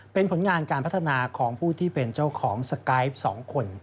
เป็นผลงานการพัฒนาของผู้ที่เป็นเจ้าของสกายฟ๒คน